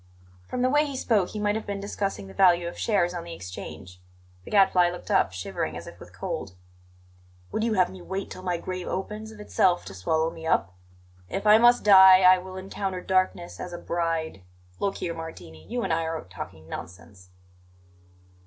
From the way he spoke he might have been discussing the value of shares on the Exchange. The Gadfly looked up, shivering as if with cold. "Would you have me wait till my grave opens of itself to swallow me up? "If I must die, I will encounter darkness as a bride Look here, Martini, you and I are talking nonsense."